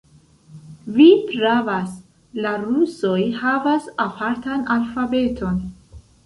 Vi pravas; la rusoj havas apartan alfabeton.